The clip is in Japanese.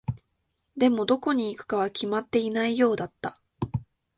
でも、どこに行くかは決まっていないようだった。